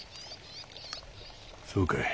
そうかい。